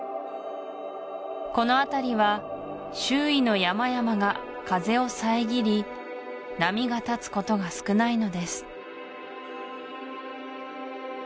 このあたりは周囲の山々が風を遮り波が立つことが少ないのです